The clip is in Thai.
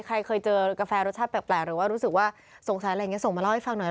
ใครเคยเจอกาแฟรสชาติแปลกหรือว่ารู้สึกว่าสงสัยอะไรอย่างนี้ส่งมาเล่าให้ฟังหน่อย